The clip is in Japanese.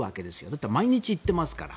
だって、毎日行っていますから。